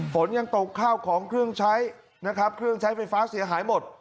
ฝนยังตกข้าวของเครื่องใช้นะครับเครื่องใช้ไฟฟ้าเสียหายหมด